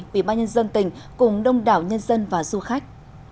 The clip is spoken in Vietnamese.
quý ba nhân dân tỉnh cùng đông đảo nhân dân và du khách